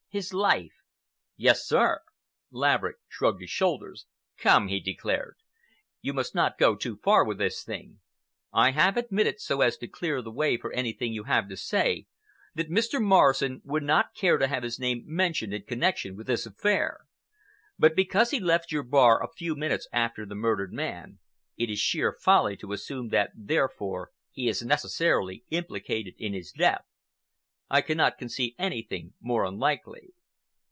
"His life!" "Yes, sir!" Laverick shrugged his shoulders. "Come," he declared, "you must not go too far with this thing. I have admitted, so as to clear the way for anything you have to say, that Mr. Morrison would not care to have his name mentioned in connection with this affair. But because he left your bar a few minutes after the murdered man, it is sheer folly to assume that therefore he is necessarily implicated in his death. I cannot conceive anything more unlikely."